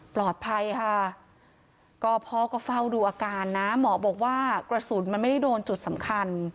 ปลอดภัยค่ะก็พ่อก็เฝ้าดูอาการนะหมอบอกว่ากระสุนมันไม่ได้โดนจุดสำคัญ